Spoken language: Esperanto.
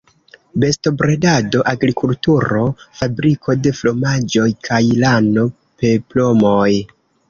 Bestobredado, agrikulturo, fabriko de fromaĝoj kaj lano-peplomoj.